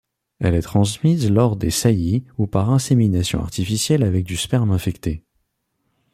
Elle est transmise lors des saillies ou par insémination artificielle avec du sperme infecté.